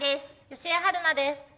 吉江晴菜です。